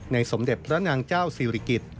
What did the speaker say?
สมเด็จพระนางเจ้าศิริกิจ